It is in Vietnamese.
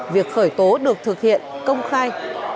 việc khởi tố được thực hiện công khai